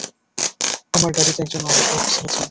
আমার গাড়িতে একজন আহত অফিসার আছেন!